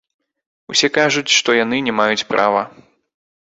Усе кажуць, што яны не маюць права.